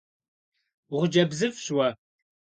УхъыджэбзыфӀщ уэ!